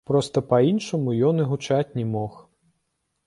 Проста па-іншаму ён і гучаць не мог!